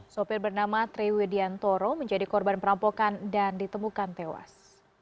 sopir bernama triwediantoro menjadi korban perampokan dan ditemukan tewas